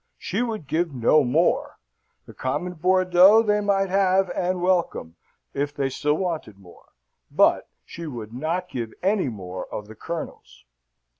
she would give no more the common Bordeaux they might have, and welcome, if they still wanted more but she would not give any more of the Colonel's."